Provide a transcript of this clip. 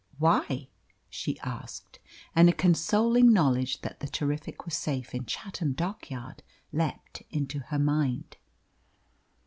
"Why?" she asked, and a consoling knowledge that the Terrific was safe in Chatham Dockyard leapt into her mind.